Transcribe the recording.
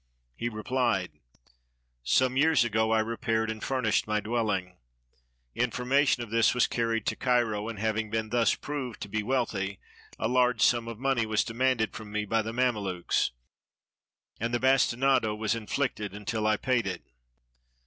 He replied: "Some years ago I repaired and furnished my dwelling. Infor mation of this was carried to Cairo, and having been thus proved to be wealthy, a large sum of money was 220 THE BATTLE OF THE PYRAMIDS demanded from me by the Mamelukes, and the basti nado was inflicted until I paid it.